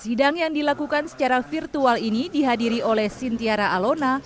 sidang yang dilakukan secara virtual ini dihadiri oleh sintiara alona